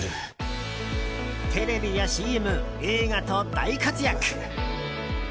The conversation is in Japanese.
テレビやＣＭ、映画と大活躍。